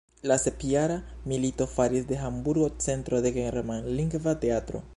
La Sepjara milito faris de Hamburgo centro de germanlingva teatro.